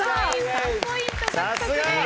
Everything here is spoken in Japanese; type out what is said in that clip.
３ポイント獲得です。